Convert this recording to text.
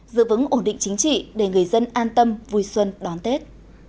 giữ vững ổn định chính trị để người dân an tâm vui xuân đón tết